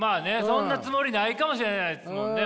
そんなつもりないかもしれないですもんね